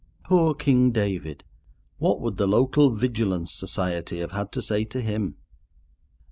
Poor King David! What would the local Vigilance Society have had to say to him?